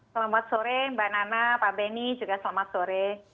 selamat sore mbak nana pak benny juga selamat sore